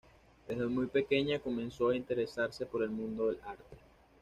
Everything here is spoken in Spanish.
Desde muy pequeña comenzó a interesarse por el mundo del arte.